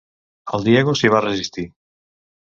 El Diego s'hi va resistir.